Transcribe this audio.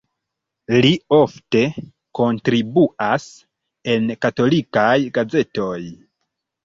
Li ofte kontribuas en katolikaj gazetoj.